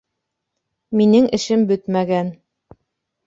Минең эшем бөтмәгән.